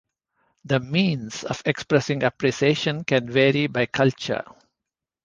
The means of expressing appreciation can vary by culture.